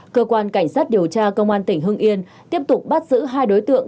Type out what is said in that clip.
cơ quan cảnh sát điều tra công an tỉnh hưng yên tiếp tục bắt giữ hai đối tượng